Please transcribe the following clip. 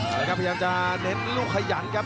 สองคมพยายามจะเน็ตลูกขยันครับ